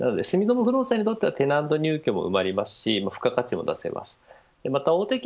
住友不動産にとってはテナント入居も埋まりますし付加価値も出せます。